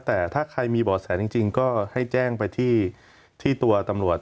แต่ถ้าใครมีบ่อแสจริงก็ให้แจ้งไปที่ตัวตำรวจ